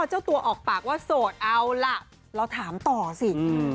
เจ้าตัวออกปากว่าโสดเอาล่ะเราถามต่อสิ